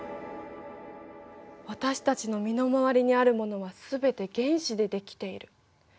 私たちの身の回りにあるものはすべて原子で出来ている。